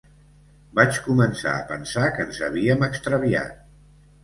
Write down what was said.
Vaig començar a pensar que ens havíem extraviat.